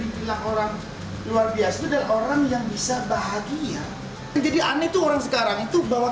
dibilang orang luar biasa dan orang yang bisa bahagia jadi aneh tuh orang sekarang itu bahwa